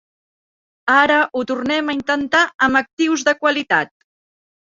Ara ho tornem a intentar amb actius de qualitat.